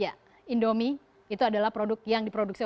ya indomie itu adalah produk yang diproduksi